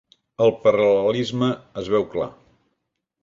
El paral·lelisme es veu clar.